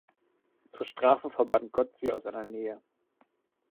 Zur Strafe verbannt Gott sie aus seiner Nähe.